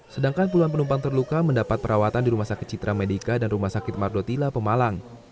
sedangkan puluhan penumpang terluka mendapat perawatan di rumah sakit citra medica dan rumah sakit mardotila pemalang